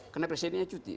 karena presidennya cuti